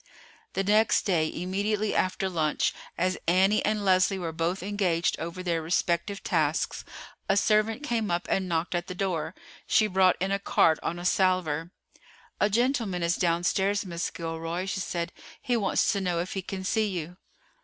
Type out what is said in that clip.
The next day, immediately after lunch, as Annie and Leslie were both engaged over their respective tasks, a servant came up and knocked at the door. She brought in a card on a salver. "A gentleman is downstairs, Miss Gilroy," she said. "He wants to know if he can see you?"